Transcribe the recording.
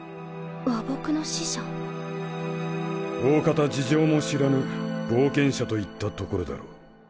おおかた事情も知らぬ冒険者といったところだろう。